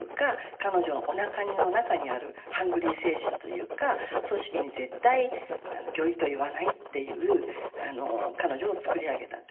彼女のおなかの中にあるハングリー精神というか組織に絶対「御意」と言わないっていう彼女を作り上げたというか。